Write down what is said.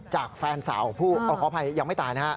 จากแฟนสาวขออภัยยังไม่ตาย